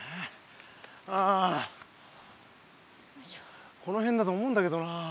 ああこのへんだと思うんだけどなあ。